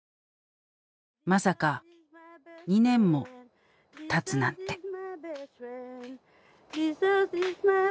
まさか２年も経つなんて。